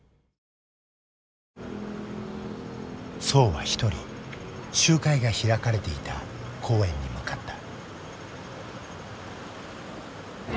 曽は一人集会が開かれていた公園に向かった。